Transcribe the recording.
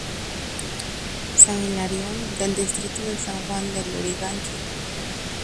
San Hilarión del distrito de San Juan de Lurigancho.